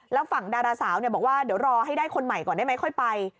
แล้วฝั่งดาราสาวบอกว่าเดี๋ยวรอให้ได้คนใหม่ก่อนได้ไหมค่อยไป